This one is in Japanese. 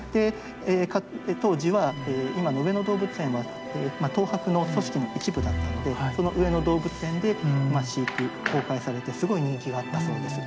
当時は今の上野動物園は東博の組織の一部だったのでその上野動物園で飼育公開されてすごい人気があったそうです。